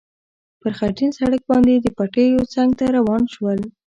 پر خټین سړک باندې د پټیو څنګ ته روان شول.